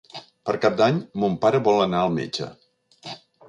Per Cap d'Any mon pare vol anar al metge.